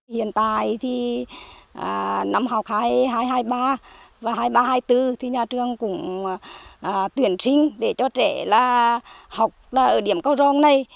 hiện tại thì năm học hai nghìn hai mươi ba và hai nghìn ba trăm hai mươi bốn thì nhà trường cũng tuyển sinh để cho trẻ là học ở điểm cầu rong này